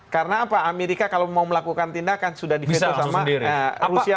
karena apa amerika kalau mau melakukan tindakan sudah dihitung sama rusia